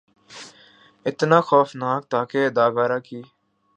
اتنا خوفناک تھا کہ اداکارہ کی